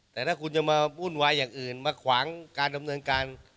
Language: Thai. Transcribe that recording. แต่ถ้าคุณจะมาวุ่นวายอย่างอื่นมาขวางการดำเนินการ